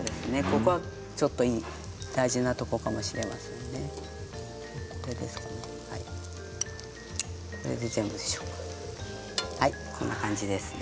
ここはちょっと大事なところかもしれませんね。